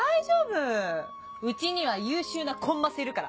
うちには優秀なコンマスいるから。